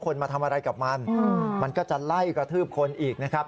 มาทำอะไรกับมันมันก็จะไล่กระทืบคนอีกนะครับ